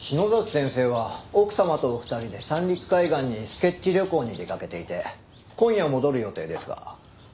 先生は奥様とお二人で三陸海岸にスケッチ旅行に出かけていて今夜戻る予定ですが。